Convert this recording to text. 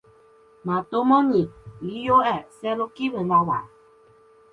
ma tomo ni li jo e selo kiwen wawa.